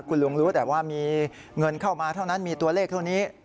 คุณลุงรู้แต่ว่ามีเงินเข้ามาเท่านั้นมีตัวเลขเท่านี้